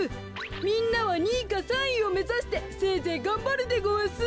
みんなは２いか３いをめざしてせいぜいがんばるでごわす。